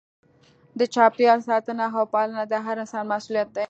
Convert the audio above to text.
د چاپیریال ساتنه او پالنه د هر انسان مسؤلیت دی.